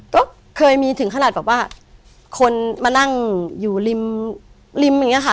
ก็เคยมีถึงขนาดแบบว่าคนมานั่งอยู่ริมริมอย่างนี้ค่ะ